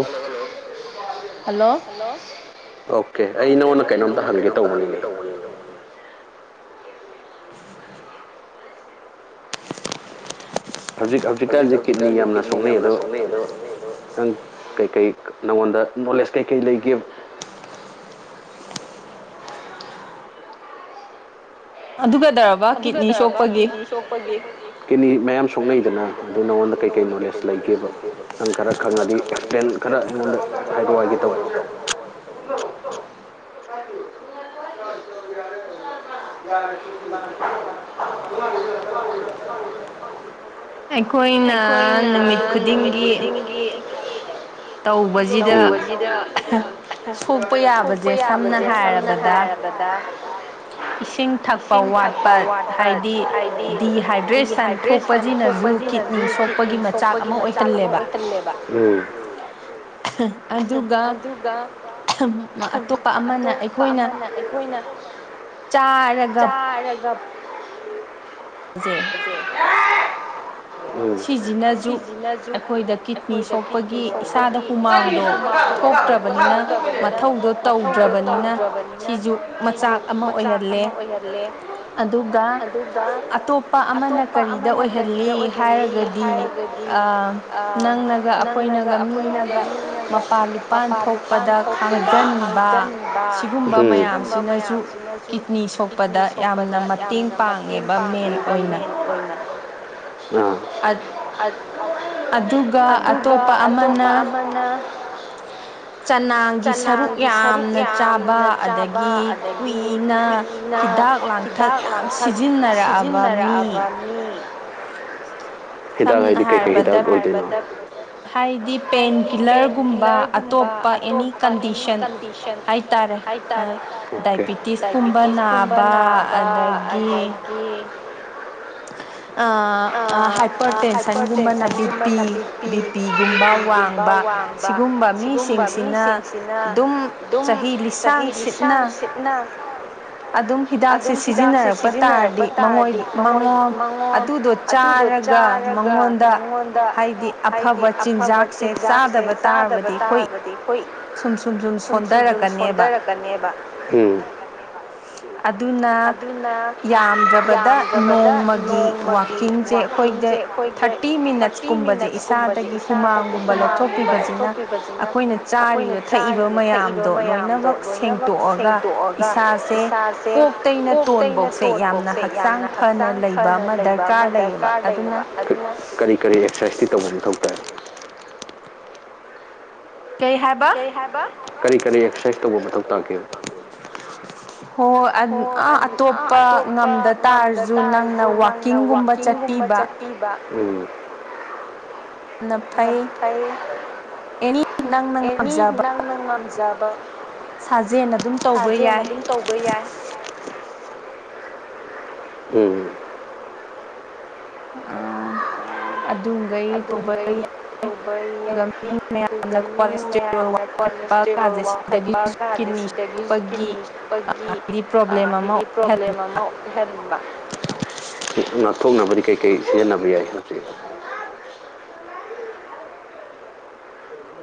hello hello [unintelligible] [inaudible] hello [unintelligible] [inaudible] okay ꯑꯩ ꯅꯉꯣꯟꯗ ꯀꯩꯅꯣꯝꯇ ꯍꯪꯒꯦ ꯇꯧꯕꯅꯤꯉꯤ [unintelligible] [inaudible] ꯍꯧꯖꯤꯛ ꯍꯧꯖꯤꯛꯀꯥꯟꯁꯤ ꯀꯤꯠꯅꯤ ꯌꯥꯝꯅ ꯁꯣꯛꯅꯩ ꯑꯗ ꯅꯪ ꯀꯩꯀꯩ ꯅꯪꯉꯣꯟꯗ ꯅꯣꯂꯦꯖ ꯀꯩꯀꯩ ꯂꯩꯒꯦ ꯑꯗꯨ ꯀ ꯑꯗꯨꯒꯗꯔꯕ ꯀꯤꯠꯅꯤ ꯁꯣꯛꯄꯒꯤ ꯀꯤꯅꯤ ꯃꯌꯥꯝ ꯁꯣꯛꯅꯩꯗꯅ ꯑꯗꯨ ꯅꯉꯣꯟꯗ ꯀꯩꯀꯩ ꯅꯣꯂꯦꯖ ꯂꯩꯒꯦꯕ ꯅꯪ ꯈꯔ ꯈꯪꯉꯗꯤ ꯑꯦꯛꯁꯄ꯭ꯂꯦꯟ ꯈꯔ ꯑꯩꯉꯣꯟꯗ ꯍꯥꯏꯗꯣꯛ ꯍꯥꯏꯒꯦ ꯇꯧ ꯍ [unintelligible] [inaudible] [unintelligible] [inaudible] ꯑꯩꯈꯣꯏꯅ ꯅꯨꯃꯤꯠ ꯈꯨꯗꯤꯡꯒꯤ ꯅꯨꯗꯤ ꯇꯧꯕꯁꯤꯗ ꯁꯣꯛꯄ ꯌꯥꯕꯁꯦ ꯁꯝꯅ ꯍꯥꯏꯔꯕꯗ ꯏꯁꯤꯡ ꯏꯁꯤꯡ ꯊꯛꯄ ꯋꯥꯠꯄ ꯍꯥꯏꯗꯤ ꯗꯤꯍꯥꯏꯗ꯭ꯔꯦꯁꯟ ꯊꯣꯛꯄꯁꯤꯅꯁꯨ ꯁꯣꯛꯄꯒꯤ ꯃꯆꯥꯛ ꯑꯃ ꯑꯣꯏ ꯇꯝꯂꯕ ꯎ ꯑꯗꯨꯒ ꯑꯇꯣꯞꯄ ꯑꯃꯅ ꯑꯩꯈꯣꯏ [unintelligible] [inaudible] ꯆꯔꯒꯥ ꯇꯥꯔꯒꯝ ꯖ ꯁꯤꯖꯤꯅ ꯖꯨ ꯑꯩꯈꯣꯏꯗ ꯀꯤꯠꯅꯤ ꯁꯣꯛꯄꯒꯤ ꯏꯁꯥꯗ ꯍꯨꯃꯥꯡꯗꯣ ꯊꯣꯛꯇ꯭ꯔꯕꯅꯤꯅ ꯃꯊꯧꯗꯣ ꯇꯧꯗ꯭ꯔꯕꯅꯤꯅ ꯁꯤꯁꯨ ꯃꯆꯥꯛ ꯑꯃ ꯑꯣꯏꯍꯜꯂꯦ ꯑꯗꯨꯒ ꯑꯇꯣꯞꯄ ꯑꯃꯅ ꯀꯔꯤꯗ ꯑꯣꯏꯍꯜꯂꯤ ꯍꯥꯏꯔꯒꯗꯤ ꯅꯪꯅ ꯒ ꯑꯩꯈꯣꯏꯅꯒ ꯃꯤꯅꯒ ꯃꯄꯥꯟ ꯂꯨꯄꯥꯟ ꯊꯣꯛꯄꯗ ꯈꯥꯡꯖꯟꯕ ꯁꯤꯒꯨꯝꯕ ꯃꯌꯥꯝꯁꯤꯅꯁꯨ ꯀꯤꯠꯅꯤ ꯁꯣꯛꯄꯗ ꯌꯥꯝꯅ ꯃꯇꯦꯡ ꯄꯥꯡꯉꯦꯕ ꯃꯦꯟ ꯑꯣꯏꯅ ꯑꯗꯨꯒ ꯑꯇꯣꯞꯄ ꯑꯃꯅ ꯆꯅꯥꯒꯤ ꯁꯔꯨꯛ ꯌꯥꯝꯅ ꯆꯥꯕ ꯑꯗꯒꯤ ꯀꯨꯏꯅ ꯍꯤꯗꯥꯛ ꯂꯥꯡꯊꯛ ꯌꯥꯝ ꯁꯤꯖꯤꯟꯅꯔꯛꯑꯕ ꯃꯤ ꯁꯝ ꯍꯥꯏꯔꯕꯗ ꯍꯥꯏꯗꯤ ꯄꯦꯟ ꯀꯤꯂꯔꯒꯨꯝꯕ ꯑꯇꯣꯞꯄ ꯑꯦꯅꯤ ꯀꯟꯗꯤꯁꯟ ꯍꯥꯏꯇꯥꯔꯦ ꯕꯤꯇ ꯀꯨꯝꯕ ꯅꯥꯕ ꯑꯗꯒꯤ ꯑ ꯍꯥꯏꯄꯔ ꯇꯦꯟꯁꯟꯒꯨꯝꯕꯅ ꯕꯤ ꯄꯤ ꯕꯤ ꯄꯤꯒꯨꯝꯕ ꯋꯥꯡꯕ ꯁꯤꯒꯨꯝꯕ ꯄ ꯃꯤꯁꯤꯡꯁꯤꯅ ꯑꯗꯨꯝ ꯆꯍꯤ ꯂꯤꯁꯥꯡ ꯁꯤꯠꯅ ꯑꯗꯨꯝ ꯍꯤꯗꯥꯛꯁꯦ ꯁꯤꯖꯤꯟꯅꯔꯛꯄ ꯇꯥꯔꯗꯤ ꯃꯣꯏ ꯃꯉꯣ ꯑꯗꯨꯗꯣ ꯆꯥꯔꯒ ꯃꯉꯣꯟꯗ ꯍꯥꯏꯗꯤ ꯑꯐꯕ ꯆꯤꯟꯖꯥꯛꯁꯦ ꯆꯥꯗꯕ ꯇꯥꯔꯕ ꯑꯗꯨ ꯇꯥꯔꯒꯗꯤ ꯁꯨꯝ ꯁꯨꯝ ꯁꯨꯝ ꯁꯣꯟꯊꯔꯛꯀꯅꯦꯕ ꯑꯗꯨꯅ ꯌꯥꯝꯗ꯭ꯔꯕꯗ ꯅꯣꯡꯃꯒꯤ ꯋꯥꯀꯤ ꯀꯤꯡꯁꯦ ꯑꯩꯈꯣꯏꯗ ꯊꯥꯔꯇꯤ ꯃꯤꯅꯠꯁ ꯀꯨꯝꯕꯁꯦ ꯏꯁꯥꯗꯒꯤ ꯍꯨꯃꯥꯡꯒꯨꯝꯕ ꯂꯧꯊꯣꯛꯄꯤꯕꯕꯁꯤ ꯑꯩꯈꯣꯏꯅ ꯆꯥꯔꯤꯕ ꯊꯛꯏꯕ ꯃꯌꯥꯝꯗꯣ ꯂꯣꯏꯅꯃꯛ ꯁꯦꯡꯇꯣꯛꯑꯒ ꯏꯁꯥꯁꯦ ꯀꯣꯛ ꯇꯩꯅ ꯇꯣꯟꯕꯧꯁꯦ ꯌꯥꯝꯅ ꯍꯛꯆꯥꯡ ꯐꯅ ꯂꯩꯕ ꯑꯃ ꯗꯔꯀꯥꯔ [unintelligible] ꯀꯔꯤ ꯀꯔꯤ ꯑꯦꯛꯁꯔꯁꯥꯏꯁꯇꯤ ꯇꯧꯕ ꯃꯊꯧ ꯇꯥꯏ [unintelligible] ꯍꯥꯏ ꯀꯔꯤ ꯀꯔꯤ ꯑꯦꯔ ꯇꯧꯕ ꯃꯊꯧ ꯇꯥꯦ ꯍꯣꯏ ꯑꯇꯣꯞꯄ ꯉꯝꯗ ꯇꯥꯔꯁꯨ ꯅꯪꯅ ꯋꯥꯛꯀꯤꯡꯒꯨꯝꯕ ꯆꯠꯄꯤ ꯎꯝ ꯄꯥꯏ ꯑꯦꯅꯤ ꯅꯪꯅ ꯉꯝꯖꯕ ꯁꯥꯖꯦꯟ ꯑꯗꯨꯝ ꯇꯧꯕ ꯌꯥꯏ ꯎꯝ ꯑ ꯑꯗꯨꯝꯕꯩ ꯎꯕ ꯃꯤ ꯃꯌꯥꯝꯅ ꯄꯣꯠꯂ ꯐꯦꯇꯦꯜ ꯋꯥꯡꯈꯠꯄ ꯀꯥꯟꯗꯦ ꯁꯤꯗꯒꯤ ꯀꯤꯅꯤꯄꯒꯤ ꯍꯥꯏꯗꯤ ꯄ꯭ꯔꯣꯕ꯭ꯂꯦꯝ [unintelligible] ꯍꯦ ꯊꯣꯡ ꯀꯔꯤ ꯀꯩꯀꯩ ꯁꯤꯖꯤꯟꯅꯕ ꯌꯥꯏ ꯍꯧꯖꯤꯛ